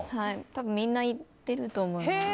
多分みんな行っていると思います。